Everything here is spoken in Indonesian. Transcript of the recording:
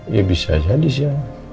ya bisa jadi sih